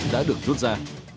đã được rút ra